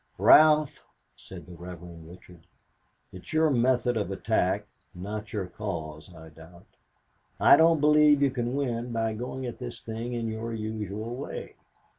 "Ralph," said the Rev. Richard, "it's your method of attack not your cause, I doubt. I don't believe you can win by going at this thing in your usual way.